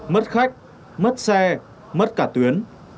mất khách mất xe mất cả tuyến